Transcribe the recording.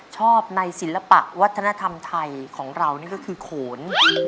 ชอบในศิลปะวัฒนธรรมไทยของเรานี่ก็คือโขน